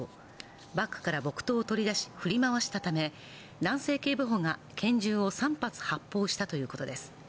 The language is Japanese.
バッグから木刀を採りだし振り回したため男性警部補が拳銃を３発発砲したということです。